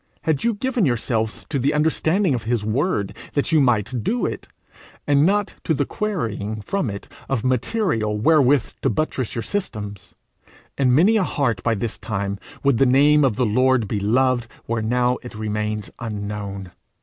Had you given yourselves to the understanding of his word that you might do it, and not to the quarrying from it of material wherewith to buttress your systems, in many a heart by this time would the name of the Lord be loved where now it remains unknown.